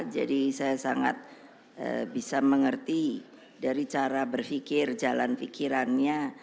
jadi saya sangat bisa mengerti dari cara berpikir jalan pikirannya